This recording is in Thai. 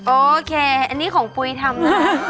โอเคอันนี้ของปุ๋ยทำนะ